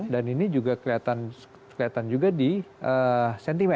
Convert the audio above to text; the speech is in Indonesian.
dan ini juga kelihatan juga di sentimen